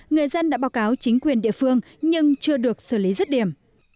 người dân đã báo cáo chính quyền địa phương nhưng chưa được xử lý rất điểm